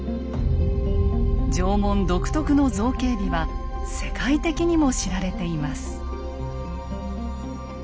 縄文独特の造形美は世界的にも知られています。